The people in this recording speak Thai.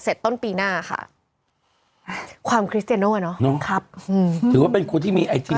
ต้นปีหน้าค่ะความคริสเจโน่อ่ะเนอะครับอืมถือว่าเป็นคนที่มีไอจี